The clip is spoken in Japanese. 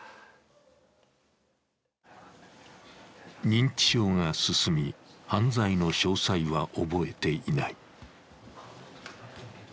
認知症が進み、犯罪の詳細は覚えていない。